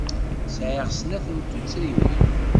Sɛiɣ snat n tuttriwin.